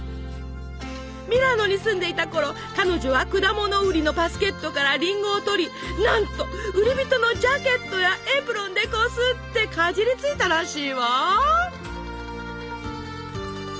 ミラノに住んでいたころ彼女は果物売りのバスケットからりんごをとりなんと売り人のジャケットやエプロンでこすってかじりついたらしいわ！